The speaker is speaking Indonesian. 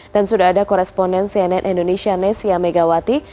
dan sudah ada koresponen cnn indonesia nesya megawati